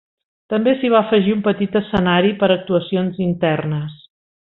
També s'hi va afegir un petit escenari per a actuacions internes.